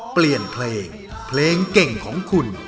เปลี่ยนเพลงเพลงเก่งของคุณ